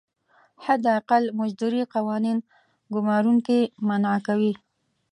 حداقل مزدوري قوانین ګمارونکي منعه کوي.